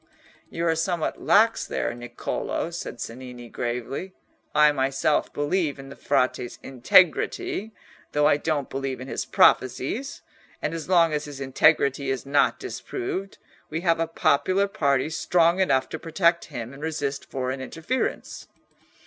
"You are somewhat lax there, Niccolò," said Cennini, gravely. "I myself believe in the Frate's integrity, though I don't believe in his prophecies, and as long as his integrity is not disproved, we have a popular party strong enough to protect him and resist foreign interference."